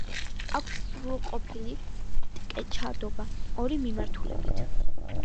აქვს სრულყოფილი ტკეჩადობა ორი მიმართულებით.